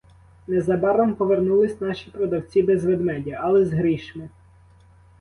Незабаром повернулись наші продавці без ведмедя, але з грішми.